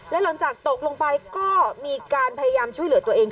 และหลังจากตกลงไปก็มีการพยายามช่วยเหลือตัวเอง